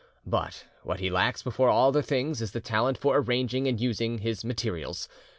But what he lacks before all other things is the talent for arranging and using his materials.